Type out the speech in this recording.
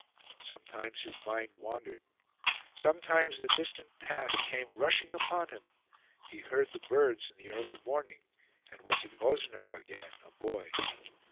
Sometimes his mind wandered; sometimes the distant past came rushing upon him; he heard the birds in the early morning, and was at Rosenau again, a boy.